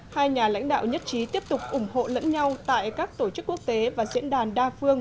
một mươi hai hai nhà lãnh đạo nhất trí tiếp tục ủng hộ lẫn nhau tại các tổ chức quốc tế và diễn đàn đa phương